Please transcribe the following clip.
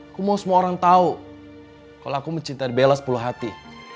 aku mau semua orang tahu kalau aku mencintai bella sepuluh hati